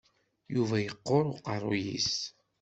Yuba yeqqur uqerru-is.